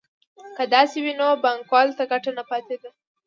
که داسې وای نو بانکوال ته ګټه نه پاتېده